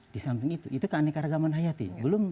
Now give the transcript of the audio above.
di samping itu itu keanekaragaman hayati